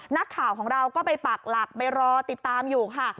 นักข่าวของเราก็ไปปักหลักไปรอติดตามอยู่ค่ะ